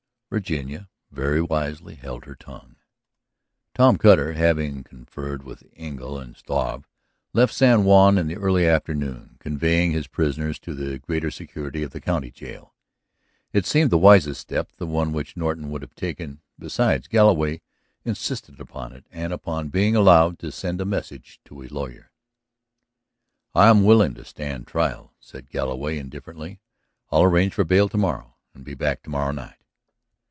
Virginia very wisely held her tongue. Tom Cutter, having conferred with Engle and Struve, left San Juan in the early afternoon, convoying his prisoners to the greater security of the county jail. It seemed the wisest step, the one which Norton would have taken. Besides, Galloway insisted upon it and upon being allowed to send a message to his lawyer. "I am willing to stand trial," said Galloway indifferently. "I'll arrange for bail to morrow and be back to morrow night."